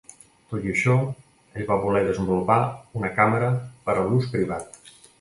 Tot i això, ell va voler desenvolupar una càmera per a l'ús privat.